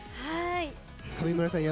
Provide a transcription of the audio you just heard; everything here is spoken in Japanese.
上村さん